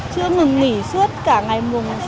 chưa ngừng nghỉ suốt cả ngày sáu bảy